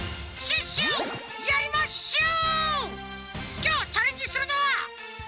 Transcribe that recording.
きょうチャレンジするのは。